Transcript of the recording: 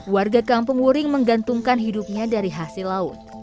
warga kampung wuring menggantungkan hidupnya dari hasil laut